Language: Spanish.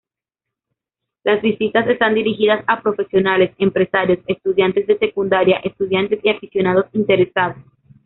Las visitas están dirigidas a profesionales, empresarios, estudiantes de secundaria, estudiantes y aficionados interesados.